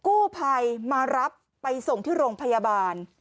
กู้ภัยมารับไปส่งที่โรงพยาบาล